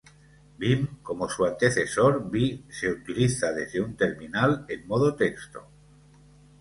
Vim, como su antecesor vi, se utiliza desde un Terminal en modo texto.